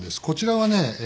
こちらはね